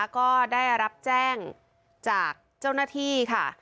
ก็ได้รับแจ้งจากเจ้าหน้าที่ค่ะ